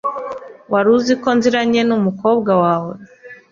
wari uzi ko nziranye n umukobwa wawe?”